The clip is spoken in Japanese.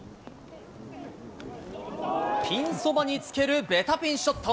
ピンそばにつけるベタピンショット。